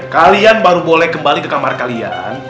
kalian baru boleh kembali ke kamar kalian